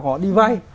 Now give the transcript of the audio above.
họ đi vay